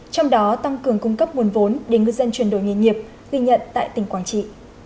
trong đó tăng cường cung cấp nguồn vốn để ngư dân chuyển đổi nghề nghiệp ghi nhận tại tỉnh quảng trị